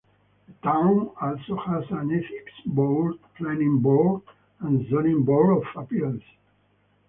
The town also has an ethics board, planning board, and zoning board of appeals.